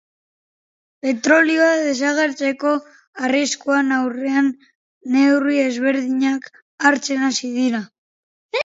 Petrolioa desagertzeko arriskuaren aurrean neurri ezberdinak hartzen hasi dira.